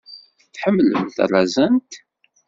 Tḥemmlem talazant?